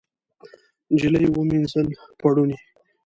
نجلۍ ومینځل پوړني